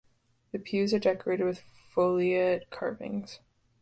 The pews are decorated with foliate carvings.